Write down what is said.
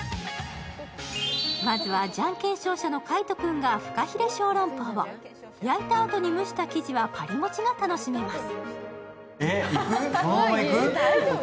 まずはじゃんけん勝者の海音君がフカヒレ小籠包焼いたあとに蒸した生地はパリもちが楽しめます。